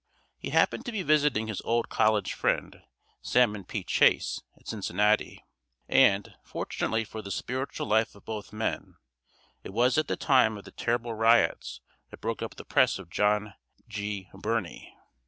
He happened to be visiting his old college friend, Salmon P. Chase, at Cincinnati, and, fortunately for the spiritual life of both men, it was at the time of the terrible riots that broke up the press of John G. Birney.